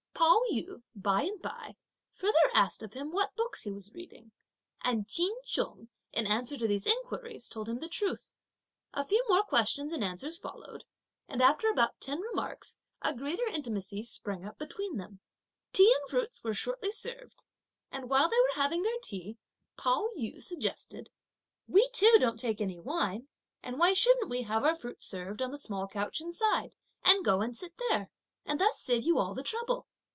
Pao yü by and by further asked of him what books he was reading, and Ch'in Chung, in answer to these inquiries, told him the truth. A few more questions and answers followed; and after about ten remarks, a greater intimacy sprang up between them. Tea and fruits were shortly served, and while they were having their tea, Pao yü suggested, "We two don't take any wine, and why shouldn't we have our fruit served on the small couch inside, and go and sit there, and thus save you all the trouble?"